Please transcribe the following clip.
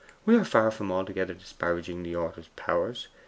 We are far from altogether disparaging the author's powers.